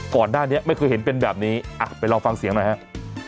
ก่อนหน้านี้ไม่เคยเห็นเป็นแบบนี้ไปลองฟังเสียงหน่อยฮะ